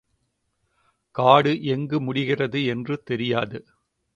காடு எங்கு முடிகிறது என்று தெரியாது.